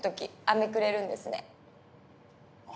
あめくれるんですね。